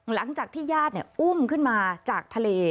หลังจากที่ญาติอุ้มขึ้นมาจากทะเล